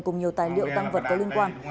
cùng nhiều tài liệu tăng vật có liên quan